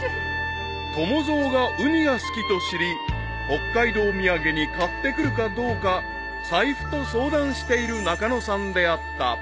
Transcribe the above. ［友蔵がウニが好きと知り北海道土産に買ってくるかどうか財布と相談している中野さんであった］